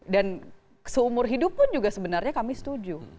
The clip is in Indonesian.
dan seumur hidup pun sebenarnya kami setuju